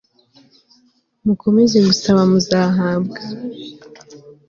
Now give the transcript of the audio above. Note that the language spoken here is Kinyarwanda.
mukomeze gusaba muzahabwa